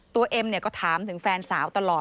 ตัวเอ็มเนี่ยก็ถามถึงแฟนสาวตลอด